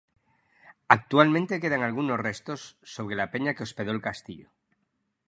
Actualmente quedan algunos restos, sobre la peña que hospedó el castillo.